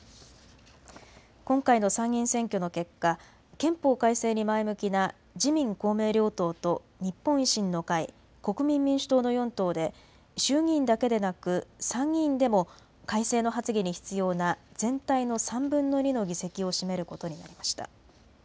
今回の参議院選挙の結果、憲法改正に前向きな自民公明両党と日本維新の会、国民民主党の４党で衆議院だけでなく参議院でも改正の発議に必要な全体の３分の２の議席を占めることになりました。